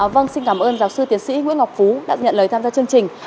vâng xin cảm ơn giáo sư tiến sĩ nguyễn ngọc phú đã nhận lời tham gia chương trình